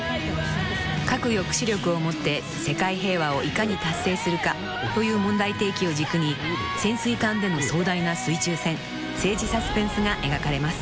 核抑止力をもって世界平和をいかに達成するかという問題提起を軸に潜水艦での壮大な水中戦政治サスペンスが描かれます］